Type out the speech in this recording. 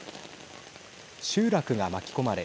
集落が巻き込まれ